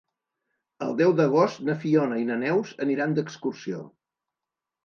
El deu d'agost na Fiona i na Neus aniran d'excursió.